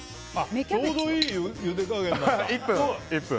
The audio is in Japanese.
ちょうどいい、ゆで加減なんだ。